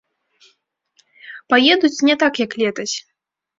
Паедуць не так як летась.